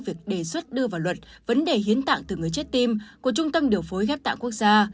việc đề xuất đưa vào luật vấn đề hiến tạng từ người chết tim của trung tâm điều phối ghép tạng quốc gia